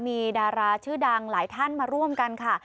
มีดาราชื่อดังหลายท่านมาร่วมกันค่ะ